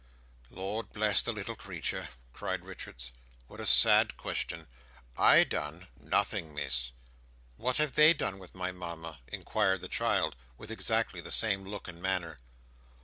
"Lord bless the little creeter!" cried Richards, "what a sad question! I done? Nothing, Miss." "What have they done with my Mama?" inquired the child, with exactly the same look and manner.